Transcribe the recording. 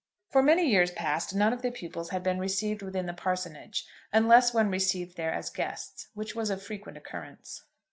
For many years past none of the pupils had been received within the parsonage, unless when received there as guests, which was of frequent occurrence.